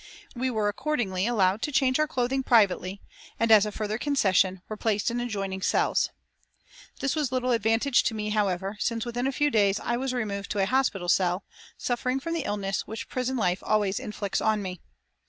We were accordingly allowed to change our clothing privately, and, as a further concession, were placed in adjoining cells. This was little advantage to me, however, since within a few days I was removed to a hospital cell, suffering from the illness which prison life always inflicts on me.